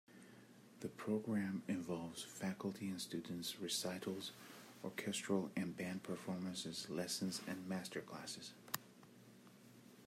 The program involves faculty and students recitals, orchestral and band performances, lessons and masterclasses.